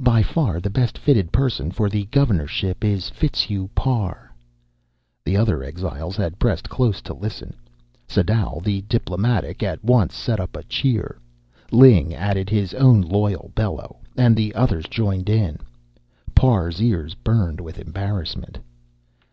By far the best fitted person for the governorship is Fitzhugh Parr." The other exiles had pressed close to listen. Sadau, the diplomatic, at once set up a cheer. Ling added his own loyal bellow, and the others joined in. Parr's ears burned with embarrassment.